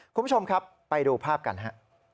คุณผู้ชมครับไปดูภาพกันฮะ